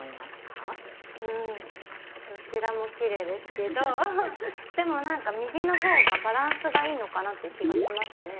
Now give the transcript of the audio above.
んどちらもきれいですけどでもなんか右のほうがバランスがいいのかなって気がしますね。